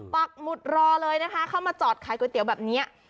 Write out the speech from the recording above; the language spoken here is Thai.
ปักหมุดรอเลยนะคะเข้ามาจอดขายก๋วยเตี๋ยวแบบนี้